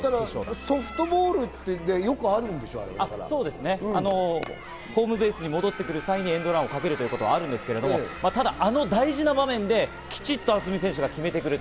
ソフトボールってよくあるんホームベースに戻ってくる際にエンドランをかけることはあるんですけど、あの大事な場面できちっと渥美選手が決めてくる。